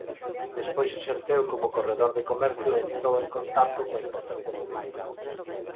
Despois exerceu como corredor de comercio e entrou en contacto coa importación de vehículos.